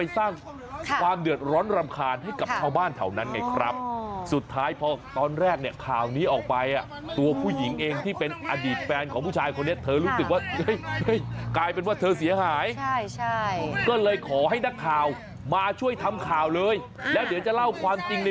ตำรวจมาช่วยปริงอะ